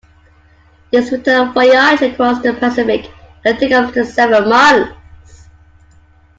This return voyage across the Pacific could take up to seven months.